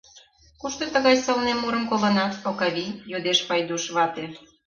— Кушто тыгай сылне мурым колынат, Окавий? — йодеш Пайдуш вате.